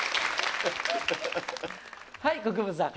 はい国分さん。